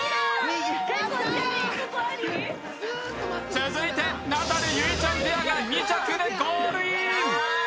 続いてナダル・結実ちゃんペアが２着でゴールイン。